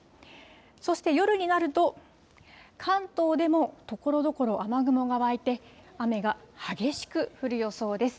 そして夜になると、関東でもところどころ、雨雲が湧いて、雨が激しく降る予想です。